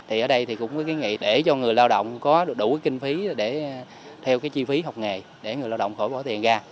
thì ở đây thì cũng kiến nghị để cho người lao động có đủ kinh phí để theo cái chi phí học nghề để người lao động khỏi bỏ tiền ra